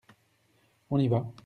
On y va !